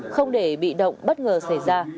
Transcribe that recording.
không để bị động bất ngờ xảy ra